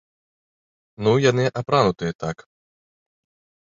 Ну, яны апранутыя так.